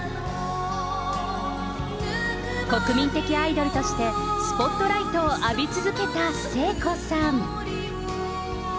国民的アイドルとして、スポットライトを浴び続けた聖子さん。